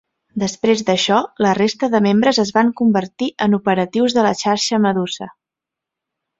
Després d'això, la resta de membres es van convertir en operatius de la Xarxa Medusa.